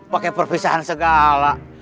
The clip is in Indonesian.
pakai perpisahan segala